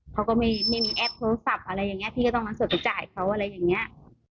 เขาก็ไม่มีแอปโทรศัพท์อะไรอย่างนี้พี่ก็ต้องนำสดไปจ่ายเขาอะไรอย่างนี้